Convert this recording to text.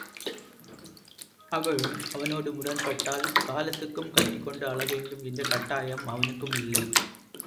அவளும் அவனோடு முரண்பட்டால் காலத்துக்கும் கட்டிக்கொண்டு அழவேண்டும் என்ற கட்டாயம் அவனுக்கும் இல்லை.